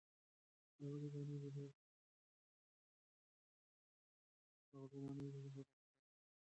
له غلې- دانو ډوډۍ ورو هضمېږي.